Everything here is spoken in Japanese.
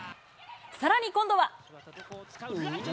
さらに今度は。